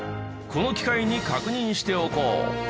この機会に確認しておこう。